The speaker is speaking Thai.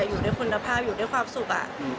อยู่ด้วยคุณภาพอยู่ด้วยความสุข